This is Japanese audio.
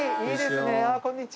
こんにちは。